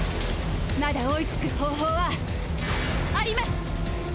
まだ追いつく方法はあります！